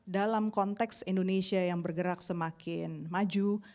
dalam konteks indonesia yang bergerak semakin maju